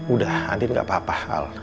udah andin gak apa apa al